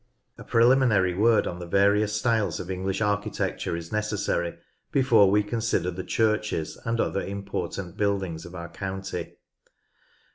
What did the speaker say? A preliminary word on the various styles of English architecture is necessary before we consider the churches and other important buildings of our county.